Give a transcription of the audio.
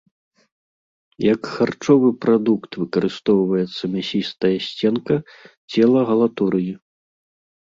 Як харчовы прадукт выкарыстоўваецца мясістая сценка цела галатурыі.